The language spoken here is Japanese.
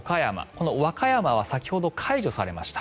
この和歌山は先ほど解除されました。